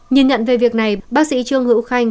nhìn nhận về việc này bác sĩ trương hữu khanh